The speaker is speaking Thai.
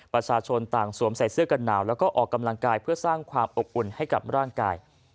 ประชาชนต่างสวมใส่เสื้อกันหนาวแล้วก็ออกกำลังกายเพื่อสร้างความอบอุ่นให้กับร่างกาย